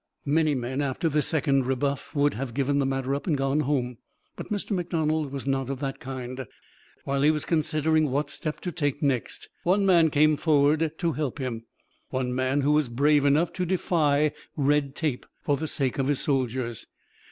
Many men, after this second rebuff, would have given the matter up and gone home; but Mr. McDonald was not of that kind. While he was considering what step to take next, one man came forward to help him; one man who was brave enough to defy Red Tape, for the sake of his soldiers.